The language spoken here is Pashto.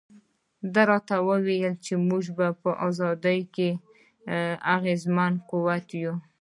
ده راته وویل چې موږ په ازادۍ کې اغېزمن قوت یو.